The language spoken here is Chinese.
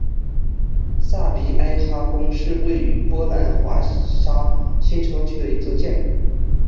萨皮埃哈宫是位于波兰华沙新城区的一座建筑。